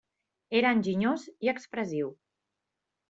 Era enginyós i expressiu.